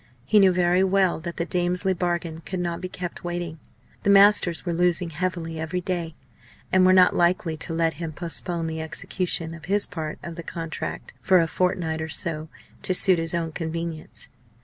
He knew very well that the Damesley bargain could not be kept waiting. The masters were losing heavily every day, and were not likely to let him postpone the execution of his part of the contract for a fortnight or so to suit his own convenience.